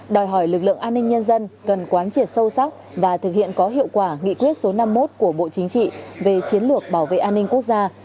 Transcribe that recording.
đòi hỏi lực lượng an ninh nhân dân cần quán triệt sâu sắc và thực hiện có hiệu quả nghị quyết số năm mươi một của bộ chính trị về chiến lược bảo vệ an ninh quốc gia